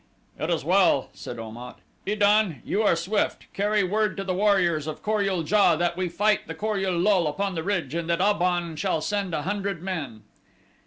"It is well," said Om at. "Id an, you are swift carry word to the warriors of Kor ul JA that we fight the Kor ul lul upon the ridge and that Ab on shall send a hundred men."